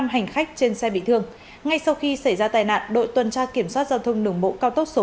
năm hành khách trên xe bị thương ngay sau khi xảy ra tai nạn đội tuần tra kiểm soát giao thông đường bộ cao tốc số năm